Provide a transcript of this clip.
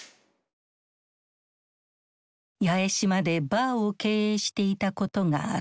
八重島でバーを経営していたことがある。